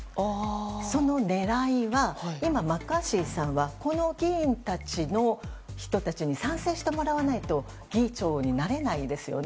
その狙いは今マッカーシーさんはこの議員の人たちに賛成してもらわないと議長になれないんですよね。